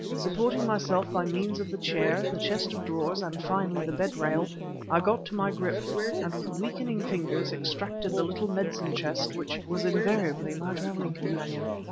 Supporting myself by means of the chair, the chest of drawers, and finally, the bed rail, I got to my grip, and with weakening fingers, extracted the little medicine chest which was invariably my traveling companion.